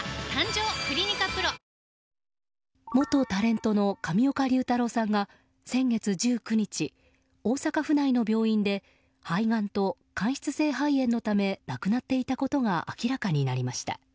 元タレントの上岡龍太郎さんが先月１９日、大阪府内の病院で肺がんと間質性肺炎のため亡くなっていたことが明らかになりました。